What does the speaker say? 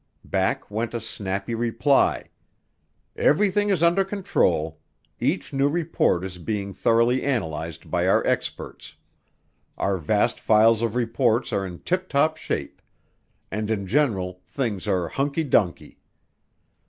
Back went a snappy reply: Everything is under control; each new report is being thoroughly analyzed by our experts; our vast files of reports are in tiptop shape; and in general things are hunky dunky.